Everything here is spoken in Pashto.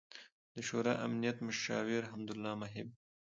، د شورای امنیت مشاور حمد الله محب